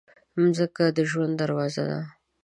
مځکه د ژوند دروازه ده.